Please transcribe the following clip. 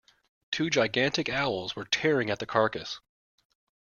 Two gigantic owls were tearing at the carcass.